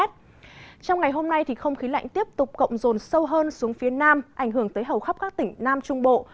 trong ngày hôm nay không khí lạnh tiếp tục cộng rồn sâu hơn xuống phía nam ảnh hưởng tới hầu khắp các tỉnh nam trung bộ